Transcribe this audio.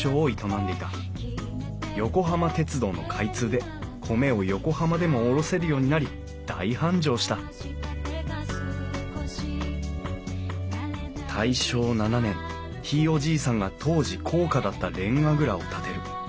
横浜鉄道の開通で米を横浜でも卸せるようになり大繁盛した大正７年ひいおじいさんが当時高価だったれんが蔵を建てる。